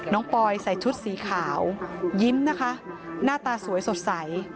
ปอยใส่ชุดสีขาวยิ้มนะคะหน้าตาสวยสดใส